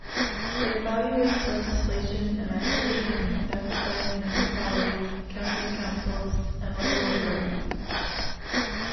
It evaluates legislation and activities conducted by municipalities, county councils and local authorities.